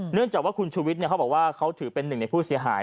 เนื่องจากว่าคุณชูวิทย์เขาบอกว่าเขาถือเป็นหนึ่งในผู้เสียหาย